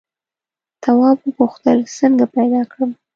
تواب وپوښتل څنګه پیدا کړم.